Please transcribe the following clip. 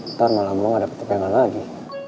ntar malam lu gak dapet kepingan lagi